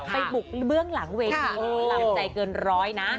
ไปบุกเรื่องหลังเวทีม้อลำใจเกินร้อย